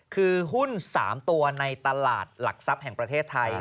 คือหุ้น๓ตัวในตลาดหลักทรัพย์แห่งประเทศไทย